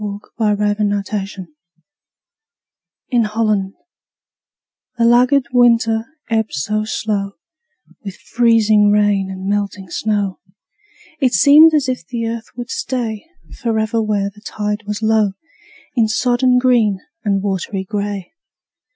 FLOOD TIDE OF FLOWERS IN HOLLAND The laggard winter ebbed so slow With freezing rain and melting snow, It seemed as if the earth would stay Forever where the tide was low, In sodden green and watery gray.